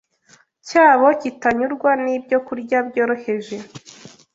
cyabo kitanyurwa n’ibyokurya byoroheje